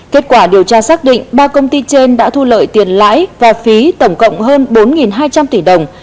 kết quả điều tra xác định ba công ty trên đã thu lợi tiền lãi và phí tổng cộng hơn bốn hai trăm linh tỷ đồng